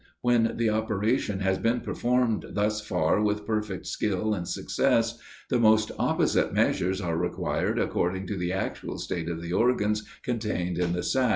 When the operation has been performed thus far with perfect skill and success, the most opposite measures are required according to the actual state of the organs contained in the sac.